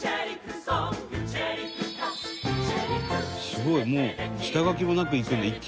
「すごい！もう下書きもなくいくんだ一気に」